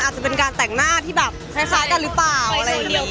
อาจจะเป็นการแต่งหน้าที่เรากี๊เปล่าครัวมาดูเท่าไวหายอย่างมั๊ย